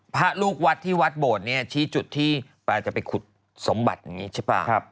พระลูกวัดที่วัดโบดเนี่ยชี้จุดที่ปลาจะไปขุดสมบัติอย่างนี้ใช่ป่ะ